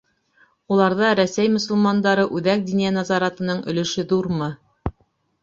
Уларҙа Рәсәй мосолмандары Үҙәк диниә назаратының өлөшө ҙурмы?